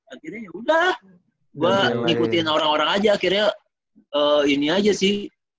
akhirnya ya udah lah gue ngikutin orang orang aja akhirnya ini aja sih